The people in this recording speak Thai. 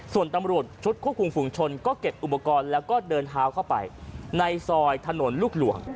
ส่วนตำรวจชุดควบคุมฝุงชนก็เก็บอุปกรณ์แล้วก็เดินเท้าเข้าไปในซอยถนนลูกหลวง